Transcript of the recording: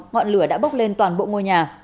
ngọn lửa đã bốc lên toàn bộ ngôi nhà